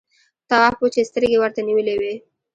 تواب وچې سترګې ورته نيولې وې…